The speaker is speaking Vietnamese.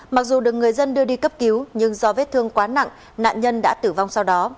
mặc dù được người dân đưa đi cấp cứu nhưng do vết thương quá nặng nạn nhân đã tử vong sau đó